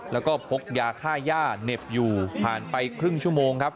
แล้วก็พกยาค่าย่าเหน็บอยู่ผ่านไปครึ่งชั่วโมงครับ